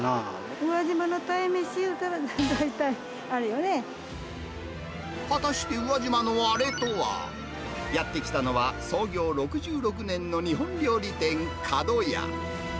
宇和島の鯛めしいうたら、果たして、宇和島のあれとは。やって来たのは、創業６６年の日本料理店、かどや。